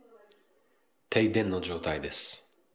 停電の状態です。